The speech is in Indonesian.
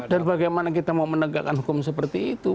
dan bagaimana kita mau menegakkan hukum seperti itu